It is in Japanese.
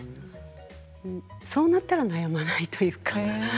そうなったら悩まないというか。